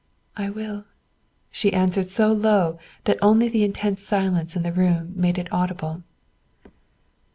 "I will," she answered so low that only the intense silence in the room made it audible.